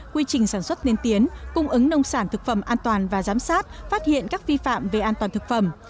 quy trình sản xuất liên tiến cung ứng nông sản thực phẩm an toàn và giám sát phát hiện các vi phạm về an toàn thực phẩm